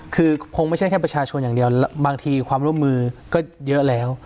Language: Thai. คือคงไม่ใช่แค่ประชาชนอย่างเดียวบางทีความร่วมมือก็เยอะแล้ว